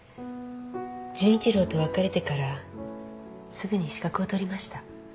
純一郎と別れてからすぐに資格を取りました。